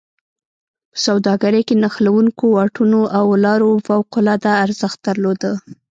په سوداګرۍ کې نښلوونکو واټونو او لارو فوق العاده ارزښت درلوده.